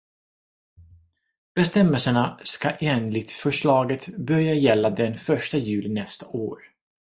Bestämmelserna ska enligt förslaget börja gälla den första juli nästa år.